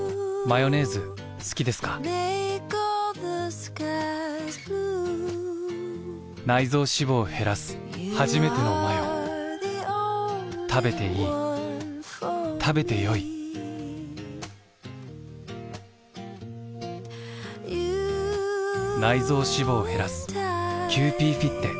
ヨネーズ好きですか臓脂肪を減らすはじめてのマヨべていい食べてよいキユーピーフィッテ」